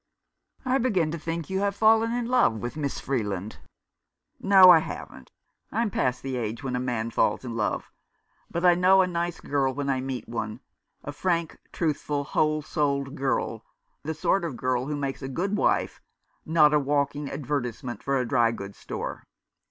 "I begin to think you have fallen in love with Miss Freeland." "No, I haven't. I'm past the age when a man falls in love. But I know a nice girl when I meet one — a frank, truthful, whole souled girl — the sort of girl who makes a good wife, not a walking advertisement for a dry goods store.